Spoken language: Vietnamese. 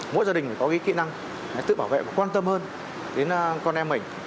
mỗi gia đình phải có kỹ năng tự bảo vệ và quan tâm hơn đến con em mình